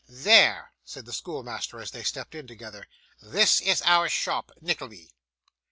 'There,' said the schoolmaster as they stepped in together; 'this is our shop, Nickleby!